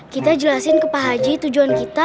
kita jelasin ke pak haji tujuan kita